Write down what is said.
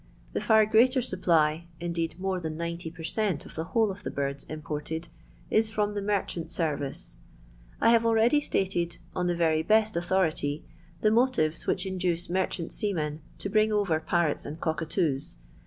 The far greater supply, indeed more I per cent, of the whole of the birds im is from the merchant service. I have al itated, on the very best authority, the which induce merchant seamen to bring TOts and cockatoos.